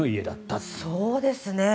そうですね。